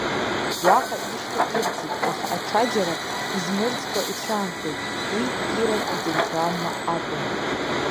Уаҟа ишьҭа ирӡит, аха, аҽаџьара измырӡкәа ицәаанхеит, уи Киров ителеграмма акәын.